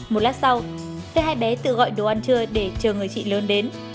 một lát sau thế hai bé tự gọi đồ ăn trưa để chờ người chị lớn đến